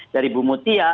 dari bu mutia